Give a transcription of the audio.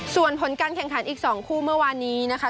ส่วนผลการแข่งขันอีก๒คู่เมื่อวานนี้นะคะ